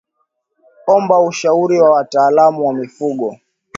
Omba ushauri wa wataalamu wa mifugo